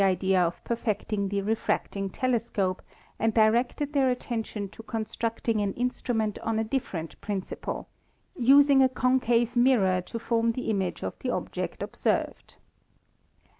fo<»% i |: HUA BiB idea of perfecting the refracting telescope and directed their attention to constructing an instrument on a different principle, using a concave mirror to form the image of the object observed.